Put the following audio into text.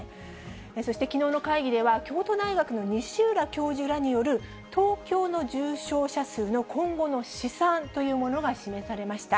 そしてきのうの会議では、京都大学の西浦教授らによる、東京の重症者数の今後の試算というものが示されました。